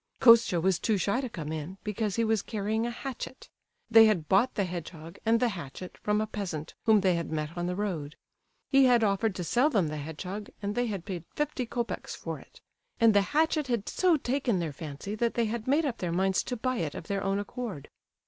Kostia was too shy to come in, because he was carrying a hatchet; they had bought the hedgehog and the hatchet from a peasant whom they had met on the road. He had offered to sell them the hedgehog, and they had paid fifty copecks for it; and the hatchet had so taken their fancy that they had made up their minds to buy it of their own accord.